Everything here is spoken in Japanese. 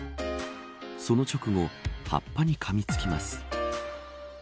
その直後葉っぱに噛みつきます。